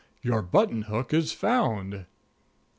Your button hook is found!"